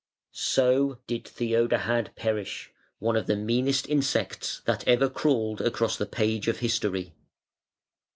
So did Theodahad perish, one of the meanest insects that ever crawled across the page of history.